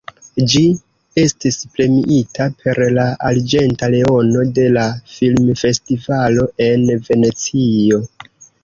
Ĝi estis premiita per la »Arĝenta Leono« de la filmfestivalo en Venecio.